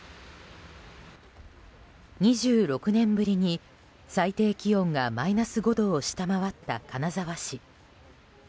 ２６年ぶりに、最低気温がマイナス５度を下回った金沢市。